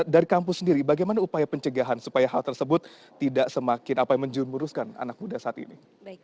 dari kampus sendiri bagaimana upaya pencegahan supaya hal tersebut tidak semakin apa yang menjurumuruskan anak muda saat ini